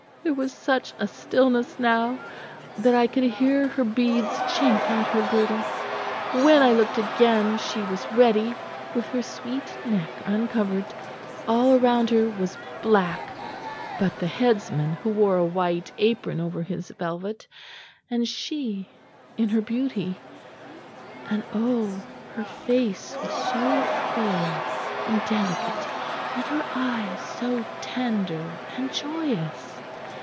There was such a stillness now that I could hear her beads chink at her girdle. When I looked again, she was ready, with her sweet neck uncovered: all round her was black but the headsman, who wore a white apron over his velvet, and she, in her beauty, and oh! her face was so fair and delicate and her eyes so tender and joyous.